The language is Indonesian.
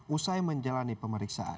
usai menjalani pemeriksaan